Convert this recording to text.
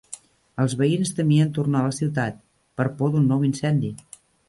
Els veïns temien tornar a la ciutat per por d'un nou incendi.